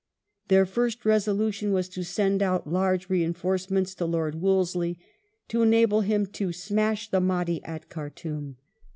Their first resolution was to send out large reinforcements to Lord Wolseley to enable him " to smash the Mahdi at Khartoum".